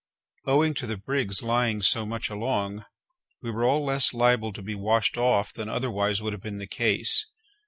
Owing to the brig's lying so much along, we were all less liable to be washed off than otherwise would have been the case.